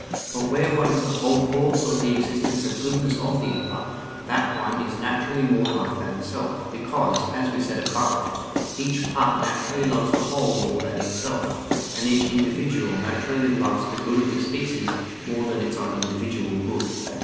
But where one is the whole cause of the existence and goodness of the other, that one is naturally more loved than self; because, as we said above, each part naturally loves the whole more than itself: and each individual naturally loves the good of the species more than its own individual good.